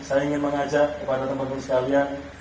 saya ingin mengajak kepada teman teman sekalian